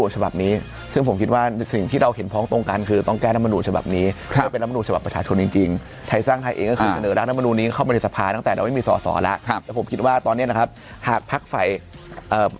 จะพาตั้งแต่เราไม่มีส่อส่อแล้วครับครับแต่ผมคิดว่าตอนเนี้ยนะครับหากพักไฟเอ่อ